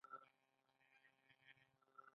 ایا زه باید اندوسکوپي وکړم؟